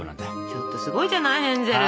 ちょっとすごいじゃないヘンゼル！